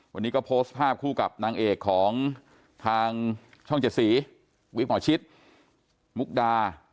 วันนี้ก็โพสต์ภาพคู่กับนางเอกของทางช่อง๗สีวิกหมอชิตมุกดา